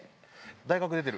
大学出てる？